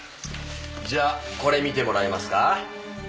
じゃあこれ見てもらえますか？